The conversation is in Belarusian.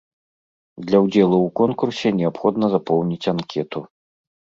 Для ўдзелу ў конкурсе неабходна запоўніць анкету.